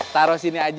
taruh sini aja